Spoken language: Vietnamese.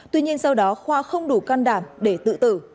tuy nhiên sau đó khoa không đủ can đảm để tự tử